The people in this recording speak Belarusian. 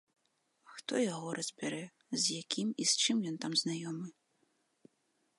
Хто яго разбярэ, з якім і з чым ён там знаёмы.